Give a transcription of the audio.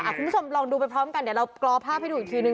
คุณผู้ชมลองดูไปพร้อมกันเดี๋ยวเรากรอภาพให้ดูอีกทีนึง